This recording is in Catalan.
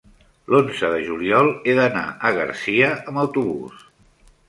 l'onze de juliol he d'anar a Garcia amb autobús.